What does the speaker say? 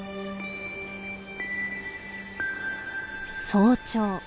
早朝。